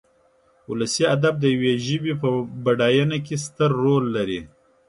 ولسي ادب د يوې ژبې په بډاينه کې ستر رول لري.